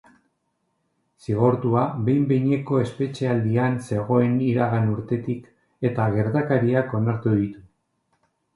Zigortua behin-behineko espetxealdian zegoen iragan urtetik, eta gertakariak onartu ditu.